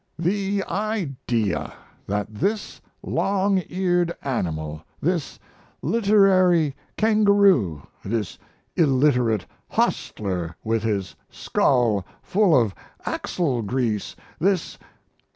"The idea! That this long eared animal this literary kangaroo this illiterate hostler with his skull full of axle grease this....."